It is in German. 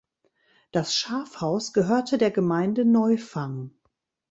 Das Schafhaus gehörte der Gemeinde Neufang.